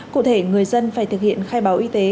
cụ thể người dân phải thực hiện khai báo y tế